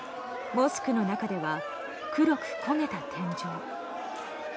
モスクの中では黒く焦げた天井。